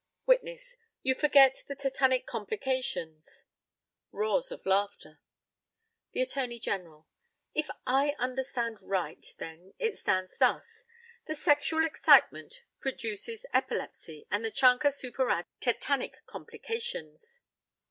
Witness: You forget the tetanic complications. (Roars of laughter.) The ATTORNEY GENERAL: If I understand right, then, it stands thus the sexual excitement produces epilepsy, and the chancre superadds tetanic complications?